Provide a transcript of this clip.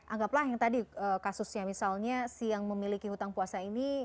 anggaplah yang tadi kasusnya misalnya si yang memiliki hutang puasa ini